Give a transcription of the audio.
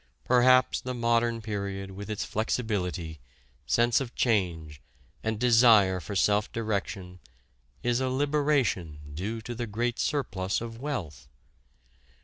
Perhaps the Modern Period with its flexibility, sense of change, and desire for self direction is a liberation due to the great surplus of wealth.